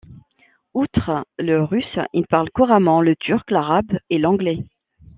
Outre le russe, il parle couramment le turc, l'arabe et l'anglais.